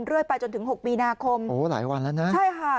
ไปจนถึงหกมีนาคมโอ้หลายวันแล้วนะใช่ค่ะ